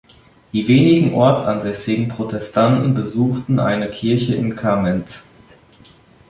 Die wenigen ortsansässigen Protestanten besuchten eine Kirche in Kamenz.